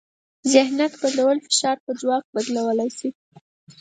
ذهنیت بدلول فشار په ځواک بدلولی شي.